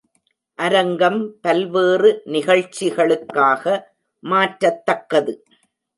அரங்கம் பல்வேறு நிகழ்ச்சிகளுக்காக மாற்றத்தக்கது.